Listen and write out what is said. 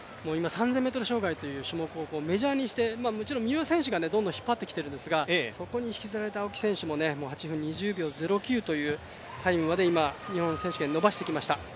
３０００ｍ障害という種目をメジャーにして、もちろん三浦選手がどんどん引っ張っているんですが、そこに引きずられて青木選手も８分２０秒０９というタイムまで今日本選手権伸ばしてきました。